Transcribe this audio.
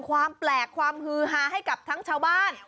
ความแปลกความฮือฮาให้กับทั้งชาวบ้าน